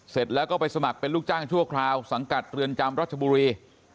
เสร็จแล้วก็ไปสมัครเป็นลูกจ้างชั่วคราวสังกัดเรือนจำรัชบุรี